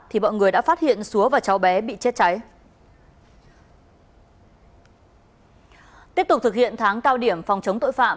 tiếp tục thực hiện tháng cao điểm phòng chống tội phạm